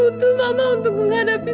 aku butuh mama untuk mengadakan diri